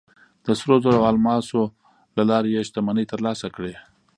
د سرو زرو او الماسو له لارې یې شتمنۍ ترلاسه کړې.